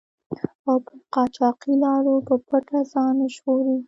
او پر قاچاقي لارو په پټه ځان ژغوري.